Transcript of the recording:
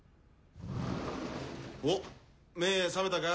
おっ目覚めたか？